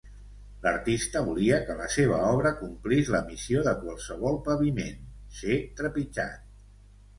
L'artista volia que la seva obra complís la missió de qualsevol paviment, ser trepitjat.